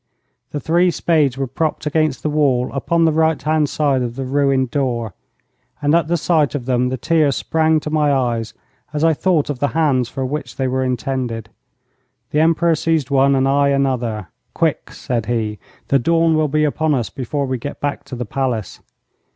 The three spades were propped against the wall upon the right hand side of the ruined door, and at the sight of them the tears sprang to my eyes as I thought of the hands for which they were intended. The Emperor seized one and I another. 'Quick!' said he. 'The dawn will be upon us before we get back to the palace.'